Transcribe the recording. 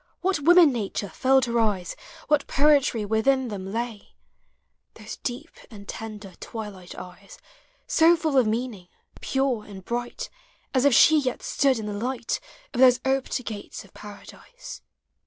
POEMS OF HOME. What woman nature filled her eyes, What poetry within them lay — Those deep and tender twilight eyes, t$o full of meaning, pure and bright As if she yet stood in the light Of those oped gates of Paradise.